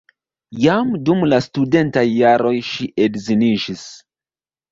Jam dum la studentaj jaroj ŝi edziniĝis.